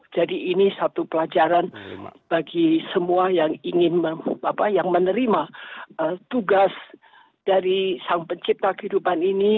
jadi ini satu pelajaran bagi semua yang menerima tugas dari sang pencipta kehidupan ini